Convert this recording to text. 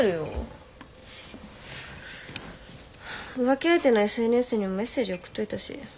浮気相手のＳＮＳにもメッセージ送っといたし。